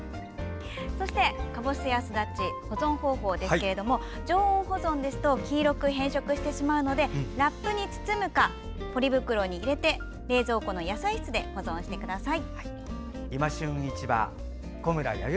そして、かぼすやすだち保存方法ですが常温保存ですと黄色く変色してしまうのでラップに包むか、ポリ袋に入れて冷蔵庫の野菜室で保存してください。